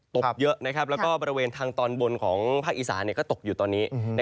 ตกเยอะแล้วก็บริเวณทางตอนบนของภาคอีสานก็ตกอยู่ตอนนี้